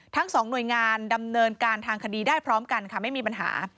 ทั้งสองหน่วยงานดำเนินการทางคดีได้พร้อมกันค่ะไม่มีปัญหา